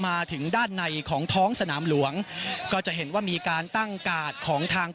มาถึงด้านในของท้องสนามหลวงก็จะเห็นว่ามีการตั้งกาดของทาง